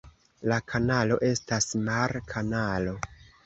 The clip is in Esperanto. La kanalo estas mar-kanalo.